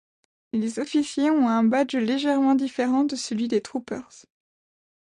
Les officiers ont un badge légèrement différent de celui des troopers.